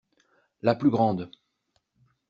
La plus grande.